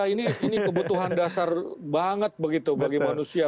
oh iya ini kebutuhan dasar banget begitu bagi manusia